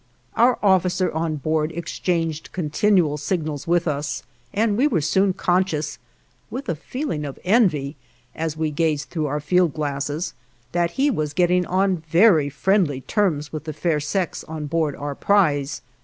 Our officer on board exchanged continual signals with us, and we were soon conscious, with a feeling of envy, as we gazed through our field glasses, that he was getting on very friendly terms with the fair sex on board our prize.